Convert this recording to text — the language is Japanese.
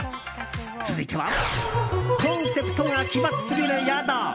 続いてはコンセプトが奇抜すぎる宿。